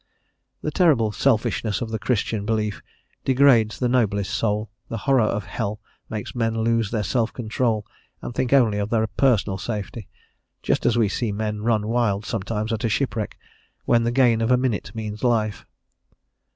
The terrible selfishness of the Christian belief degrades the noblest soul; the horror of hell makes men lose their self control, and think only of their personal safety, just as we see men run wild sometimes at a shipwreck, when the gain of a minute means life.